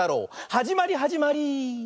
はじまりはじまり！